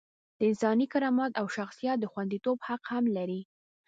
د انساني کرامت او شخصیت د خونديتوب حق هم لري.